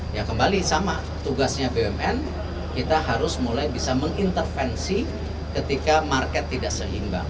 ya kembali sama tugasnya bumn kita harus mulai bisa mengintervensi ketika market tidak seimbang